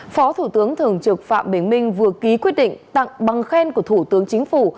phó thủ tướng thường trực phạm bình minh vừa ký quyết định tặng bằng khen của thủ tướng chính phủ